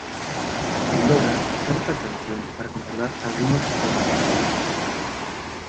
El logra usar esta canción para controlar algunos de los profundos.